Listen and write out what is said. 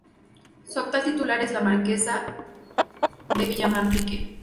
Su actual titular es la marquesa de Villamanrique.